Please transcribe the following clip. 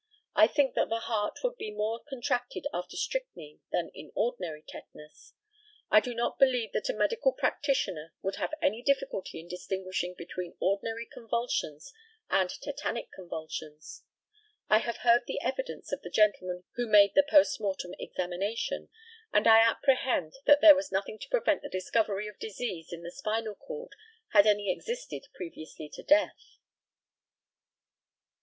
I think that the heart would be more contracted after strychnine than in ordinary tetanus. I do not believe that a medical practitioner would have any difficulty in distinguishing between ordinary convulsions and tetanic convulsions. I have heard the evidence of the gentlemen who made the post mortem examination, and I apprehend that there was nothing to prevent the discovery of disease in the spinal cord, had any existed previously to death.